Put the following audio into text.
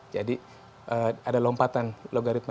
jadi ada lompatan logaritma